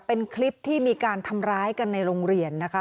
เป็นคลิปที่มีการทำร้ายกันในโรงเรียนนะคะ